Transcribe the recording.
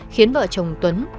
khiến vợ chồng tuấn